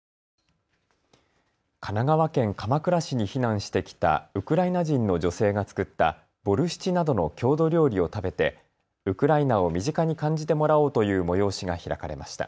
神奈川県鎌倉市に避難してきたウクライナ人の女性が作ったボルシチなどの郷土料理を食べてウクライナを身近に感じてもらおうという催しが開かれました。